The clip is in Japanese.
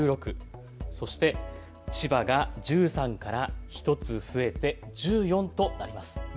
そして千葉が１３から１つ増えて１４となります。